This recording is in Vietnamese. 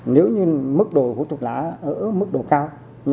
nếu như mức đồ hút thuốc lá ở mức độ cao